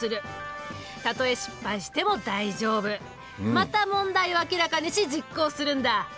また問題を明らかにし実行するんだ。